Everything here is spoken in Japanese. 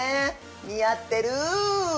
似合ってる。